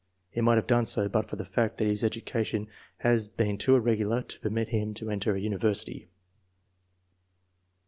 He might have done so but for the fact that his educa tion had been too irregular to permit him to enter a university.